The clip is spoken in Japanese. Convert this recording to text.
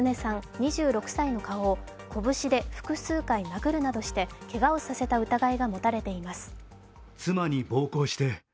２６歳の顔をこぶしで複数回殴るなどしてけがをさせた疑いが持たれています。